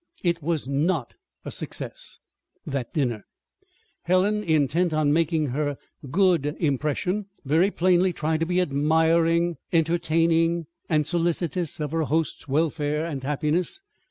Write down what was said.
It was not a success that dinner. Helen, intent on making her "good impression," very plainly tried to be admiring, entertaining, and solicitous of her host's welfare and happiness.